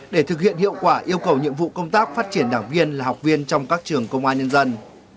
để thực hiện hiệu quả yêu cầu nhiệm vụ công tác phát triển đảng viên là học viên trong các trường công an nhân dân